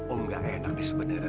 om gak enak di sebenarnya